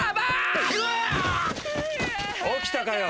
起きたかよ。